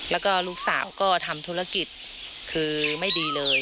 แล้วก็ลูกสาวก็ทำธุรกิจคือไม่ดีเลย